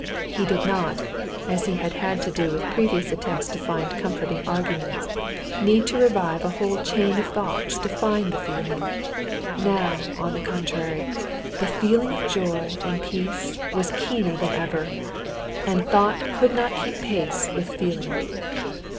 He did not, as he had had to do with previous attempts to find comforting arguments, need to revive a whole chain of thought to find the feeling. Now, on the contrary, the feeling of joy and peace was keener than ever, and thought could not keep pace with feeling.